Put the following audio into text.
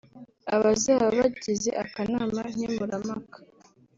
Abazaba bagize akanama nkemurampaka